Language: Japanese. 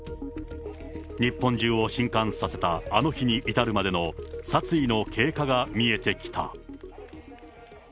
日本中をしんかんさせたあの日に至るまでの殺意の経過が見えてきた。